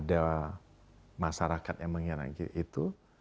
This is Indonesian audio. ada masyarakat yang mengikuti itu